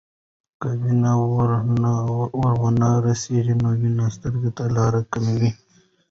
که وینې ور ونه رسیږي، نو وینې سترګو ته لارې کوي.